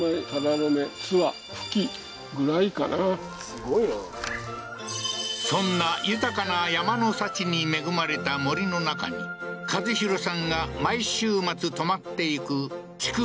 すごいなそんな豊かな山の幸に恵まれた森の中に一洋さんが毎週末泊まっていく築